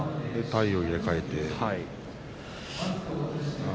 体を入れ替えて。